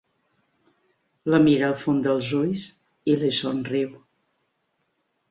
La mira al fons dels ulls i li somriu.